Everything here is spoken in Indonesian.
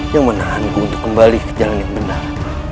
yang menahanku untuk kembali ke jalan yang benar